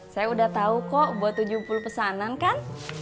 saya udah tahu kok buat tujuh puluh pesanan kan